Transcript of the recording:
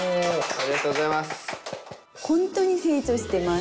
ありがとうございます。